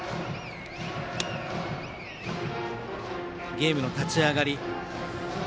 ゲームの立ち上がり。